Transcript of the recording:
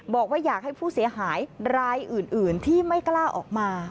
บอกว่าอยากให้ผู้เสียหายรายอื่นที่ไม่กล้าออกมา